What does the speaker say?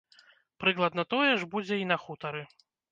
Прыкладна тое ж будзе і на хутары.